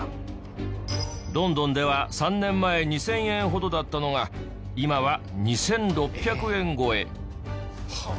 ロンドンでは３年前２０００円ほどだったのが今は２６００円超え。